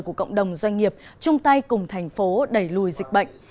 của cộng đồng doanh nghiệp chung tay cùng thành phố đẩy lùi dịch bệnh